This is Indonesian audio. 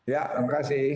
ya terima kasih